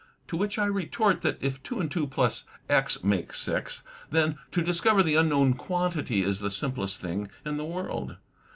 To which I retort that if two and two plus X make six, then to dis cover the unknown quantity is the simplest thing in the world.